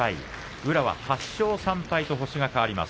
宇良は８勝３敗と星が変わります。